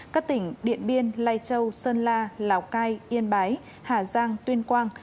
các tỉnh điện biên lai châu sơn la lào cai yên bái hà giang tuyên quang